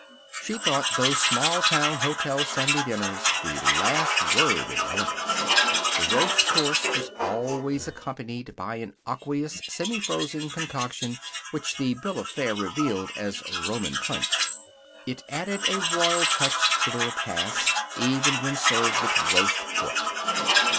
She thought those small town hotel Sunday dinners the last word in elegance. The roast course was always accompanied by an aqueous, semifrozen concoction which the bill of fare revealed as Roman Punch. It added a royal touch to the repast, even when served with roast pork.